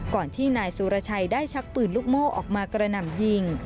ก่อนที่นายสุรชัยได้ชักปืนลูกโม่ออกมากระหน่ำยิง